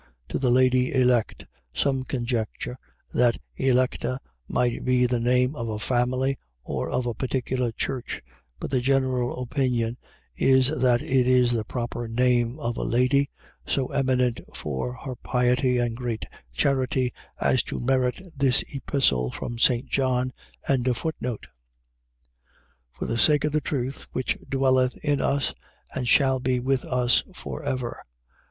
To the lady Elect. . .Some conjecture that Electa might be the name of a family, or of a particular church; but the general opinion is, that it is the proper name of a lady, so eminent for her piety and great charity, as to merit this Epistle from St. John. 1:2. For the sake of the truth which dwelleth in us and shall be with us for ever.